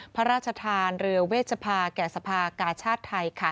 พระราชทานเรือเวชภาแก่สภากาชาติไทย